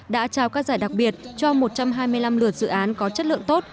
đã trao các giải đặc biệt cho một trăm hai mươi năm lượt dự án có chất lượng tốt